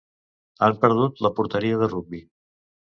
Han perdut la porteria de rugbi.